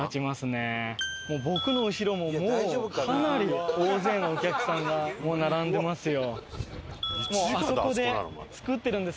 僕の後ろももうかなり大勢のお客さんが並んでますよ。